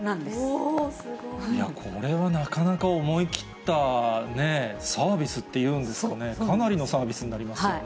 おー、すごい。いや、これはなかなか思い切ったね、サービスというんですかね、かなりのサービスになります